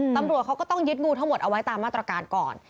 ตำรวจเขาก็ต้องยึดงูทั้งหมดเอาไว้ตามมาตรการก่อน